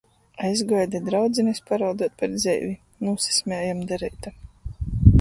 Aizguoju da draudzinis, parauduot par dzeivi. Nūsasmiejom da reita.